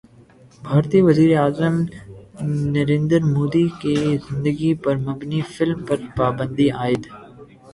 بھارتی وزیراعظم نریندر مودی کی زندگی پر مبنی فلم پر پابندی عائد